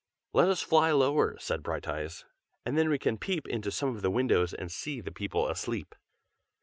"Let us fly lower," said Brighteyes, "and then we can peep into some of the windows and see the people asleep."